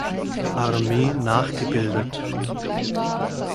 Armee nachgebildet.